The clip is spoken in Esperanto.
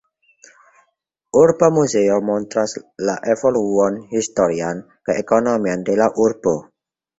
Urba muzeo montras la evoluon historian kaj ekonomian de la urbo.